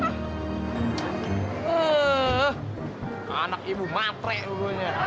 ehh anak ibu matre bubunya